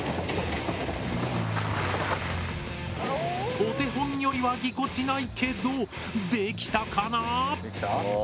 お手本よりはぎこちないけどできたかな？